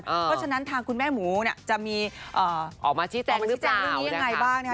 เพราะฉะนั้นทางคุณแม่หมูเนี่ยจะมีออกมาชี้แจงหรือแจ้งเรื่องนี้ยังไงบ้างนะคะ